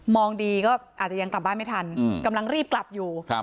องดีก็อาจจะยังกลับบ้านไม่ทันกำลังรีบกลับอยู่